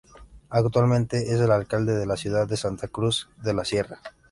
Actualmente es el Alcalde de la ciudad de Santa Cruz de la Sierra.